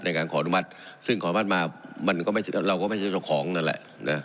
ในการขออนุมัติซึ่งขออนุมัติมาเราก็ไม่ใช่ต่อของนั่นแหละนะ